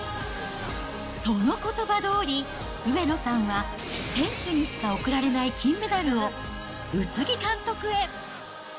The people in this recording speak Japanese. そのことばどおり、上野さんは、選手にしか贈られない金メダルを、宇津木監督へ。